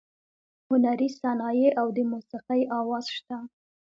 هنري صنایع او د موسیقۍ اواز شته.